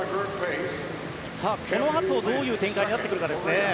このあと、どういう展開になってくるかですね。